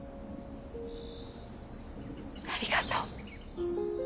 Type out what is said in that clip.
ありがとう。